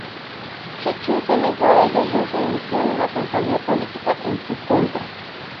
Shehu se negó a ello, y Hoxha inició una campaña política en su contra.